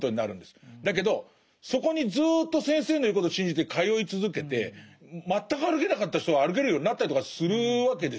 だけどそこにずっと先生の言うことを信じて通い続けて全く歩けなかった人が歩けるようになったりとかするわけですよ。